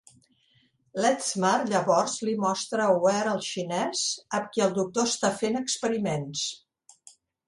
Ledsmar llavors li mostra a Ware el xinès, amb qui el doctor està fent experiments.